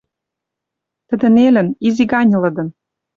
Тӹдӹ нелӹн, изи ганьы, лыдын